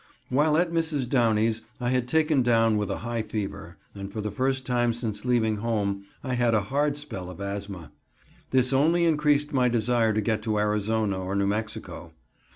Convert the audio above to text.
While at Mrs. Downey's I was taken down with a high fever, and for the first time since leaving home I had a hard spell of asthma. This only increased my desire to get to Arizona or New Mexico.